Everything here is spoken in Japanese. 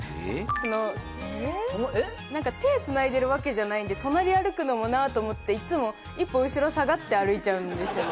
その手つないでるわけじゃないんで隣歩くのもなと思っていっつも一歩後ろ下がって歩いちゃうんですよ